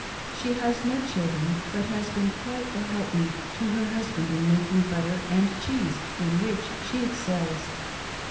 She has no children, but has been quite a help meet to her husband in making butter and cheese, in which she excels.